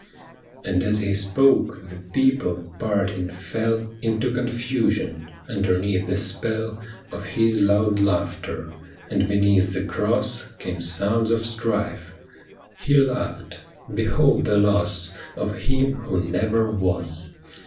And as he spoke, the people, parting, fell Into confusion, underneath the spell Of his loud laughter, and beneath the Cross Came sounds of strife ; he laughed, " Behold the loss Of Him who never was."